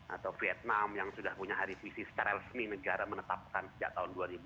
atau vietnam yang sudah punya hari visi secara resmi negara menetapkan sejak tahun dua ribu